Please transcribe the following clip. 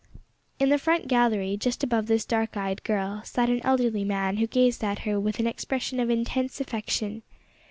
In the front gallery, just above this dark eyed girl, sat an elderly man who gazed at her with an expression of intense affection.